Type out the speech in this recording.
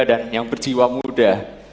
dan yang berjiwa muda